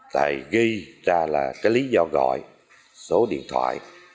tại ghi ra là cái lý do gọi số điện thoại